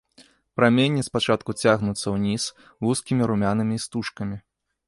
Праменні спачатку цягнуцца ўніз вузкімі румянымі істужкамі.